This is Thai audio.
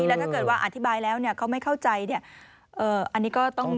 แล้วถ้าเกิดว่าอธิบายแล้วเนี่ยเขาไม่เข้าใจเนี่ยอันนี้ก็ต้อง